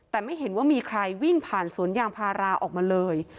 แต่ไม่เห็นว่ามีใครวิ่งผ่านสวนยางพาราออกมาเลย